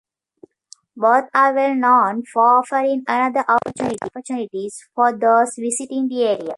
Both are well known for offering another outdoors opportunity for those visiting the area.